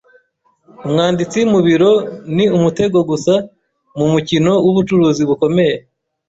Umwanditsi mu biro ni umutego gusa mu mukino wubucuruzi bukomeye.